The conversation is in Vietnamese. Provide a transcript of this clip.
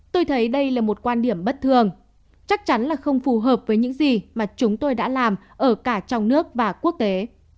tôi thấy đây là một quan điểm bất thường chắc chắn là không phù hợp với những gì mà chúng tôi đã làm ở cả trong nước và quốc tế